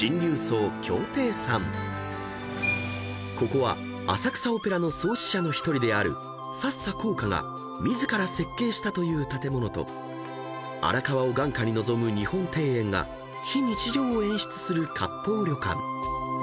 ［ここは浅草オペラの創始者の１人である佐々紅華が自ら設計したという建物と荒川を眼下に望む日本庭園が非日常を演出するかっぽう旅館］